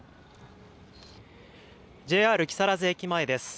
ＪＲ木更津駅前です。